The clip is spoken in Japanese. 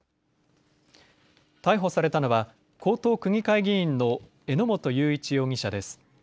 逮捕されたのは江東区議会議員の榎本雄一容疑者です。